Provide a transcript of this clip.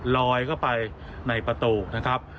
ลอยเข้าไปในประตูนะครับ